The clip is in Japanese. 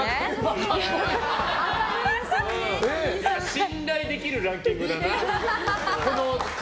信頼できるランキングだな。